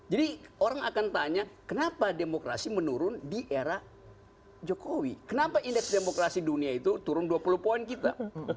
jadi orang akan tanya kenapa demokrasi menurun di era jokowi kenapa indeks demokrasi dunia itu turun dua puluh poin kita